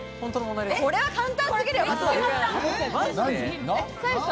これは簡単すぎるよ、松丸君。